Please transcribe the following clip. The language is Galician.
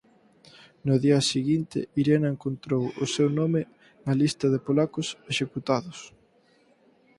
No día seguinte Irena encontrou o seu nome na lista de polacos executados.